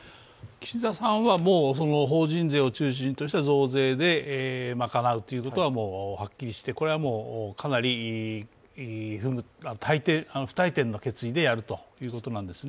岸田さんは法人税を中心とした増税で賄うということははっきりして、これはかなり不退転の決意でやるということなんですね。